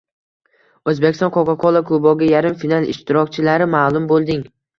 O‘zbekiston Coca-Cola kubogi. Yarim final ishtirokchilari ma’lum bo‘lding